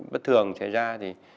bất thường xảy ra thì